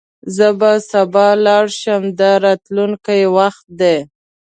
زه به سبا لاړ شم – دا راتلونکی وخت دی.